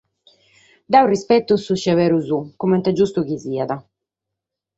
Deo rispeto su sèberu suo, comente est giustu chi siat.